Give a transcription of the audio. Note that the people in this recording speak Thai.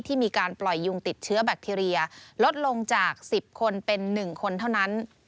มีการปล่อยยุงติดเชื้อแบคทีเรียลดลงจาก๑๐คนเป็น๑คนเท่านั้น